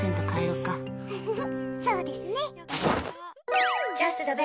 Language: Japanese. うふふ、そうですね。